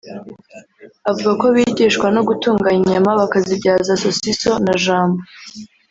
Avuga ko bigishwa no gutunganya inyama bakazibyaza sosiso na jambo